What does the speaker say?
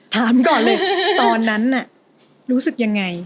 ถามก่อนเลยตอนนั้นน่ะรู้สึกยังไง